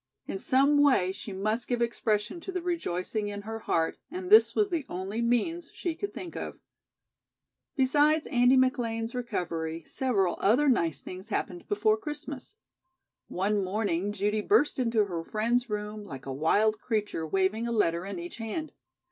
In some way she must give expression to the rejoicing in her heart, and this was the only means she could think of. Besides Andy McLean's recovery, several other nice things happened before Christmas. One morning Judy burst into her friend's room like a wild creature, waving a letter in each hand.